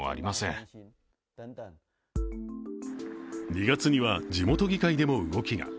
２月には地元議会でも動きが。